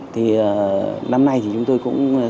thì năm nay thì chúng tôi cũng